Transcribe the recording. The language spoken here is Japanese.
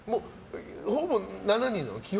ほぼ７人なの？